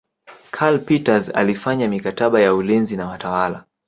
Karl Peters alifanya mikataba ya ulinzi na watawala